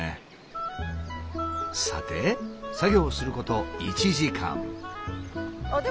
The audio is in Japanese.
さて作業すること１時間。